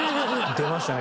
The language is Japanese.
出ましたね。